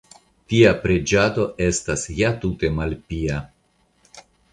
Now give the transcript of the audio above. Tia preĝado estas ja tute malpia!